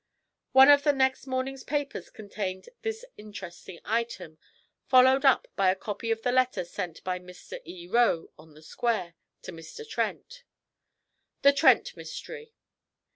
One of the next morning's papers contained this interesting item, followed up by a copy of the letter sent by Mr. 'E. Roe, On the Square,' to Mr. Trent: 'THE TRENT MYSTERY.